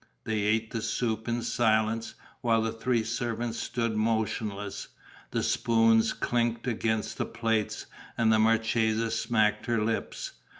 They ate the soup in silence, while the three servants stood motionless. The spoons clinked against the plates and the marchesa smacked her lips.